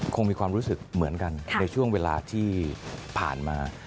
คงมีความรู้สึกเหมือนกันในช่วงเวลาที่ผ่านมา